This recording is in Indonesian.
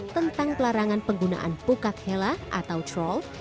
tentang pelarangan penggunaan pukat hella atau troll